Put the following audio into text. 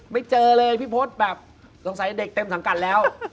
ไม่เจอเลยพี่พศแบบสงสัยเด็กเต็มสังกัดแล้ว